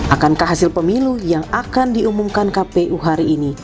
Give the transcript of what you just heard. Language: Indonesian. akankah hasil pemilu yang akan diumumkan kpu hari ini